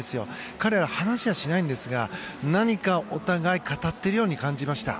彼らは話はしないんですが何かお互い語っているように感じました。